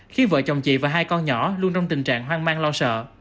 khi vợ chồng chị và hai con nhỏ luôn trong tình trạng hoang mang lo sợ